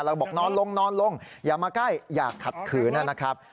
แล้วก็บอกนอนลงนอนลงอย่ามาใกล้อย่าขัดขืนนะครับ